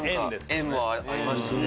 縁もありましたね。